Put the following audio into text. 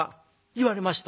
「言われました。